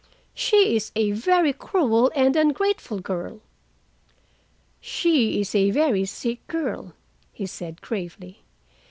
She is a very cruel and ungrateful girl." "She is a very sick girl," he said gravely.